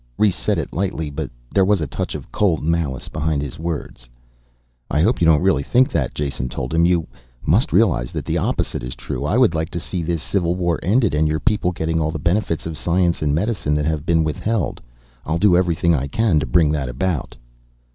Rhes said it lightly, but there was a touch of cold malice behind his words. "I hope you don't really think that," Jason told him. "You must realize that the opposite is true. I would like to see this civil war ended and your people getting all the benefits of science and medicine that have been withheld. I'll do everything I can to bring that about."